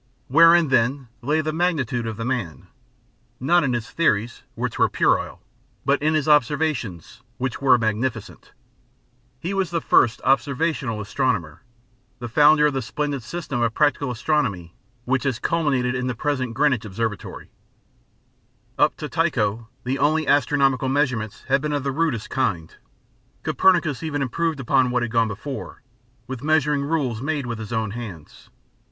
Wherein then lay the magnitude of the man? not in his theories, which were puerile, but in his observations, which were magnificent. He was the first observational astronomer, the founder of the splendid system of practical astronomy which has culminated in the present Greenwich Observatory. [Illustration: FIG. 16. Tychonic system showing the sun with all the planets revolving round the earth.] Up to Tycho the only astronomical measurements had been of the rudest kind. Copernicus even improved upon what had gone before, with measuring rules made with his own hands.